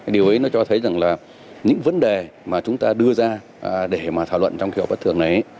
điều ấy cho thấy rằng những vấn đề mà chúng ta đưa ra để thảo luận trong kỳ họp bất thường này